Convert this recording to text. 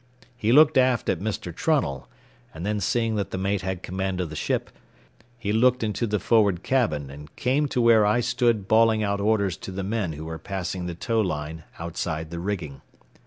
He looked aft at Mr. Trunnell, and then seeing that the mate had command of the ship, he looked into the forward cabin and came to where I stood bawling out orders to the men who were passing the tow line outside the rigging.